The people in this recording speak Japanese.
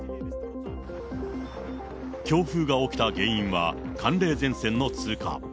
強風が起きた原因は寒冷前線の通過。